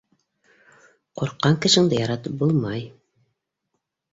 Ҡурҡҡан кешеңде яратып булмай.